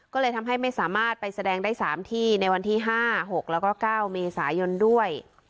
ก็เลยทำให้ไม่สามารถไปแสดงได้๓ที่ในวันที่๕๖แล้วก็๙เมษายนด้วย